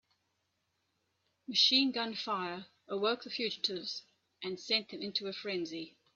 Machine gun fire awoke the fugitives and sent them into a frenzy.